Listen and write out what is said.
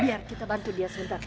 biar kita bantu dia sebentar